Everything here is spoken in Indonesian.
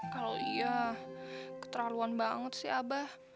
kalau iya keterlaluan banget sih abah